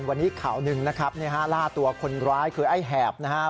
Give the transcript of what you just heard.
วันนี้ข่าวหนึ่งนะครับล่าตัวคนร้ายคือไอ้แหบนะฮะ